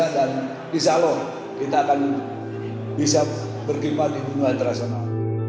dan di salon kita akan bisa berkiprah di dunia internasional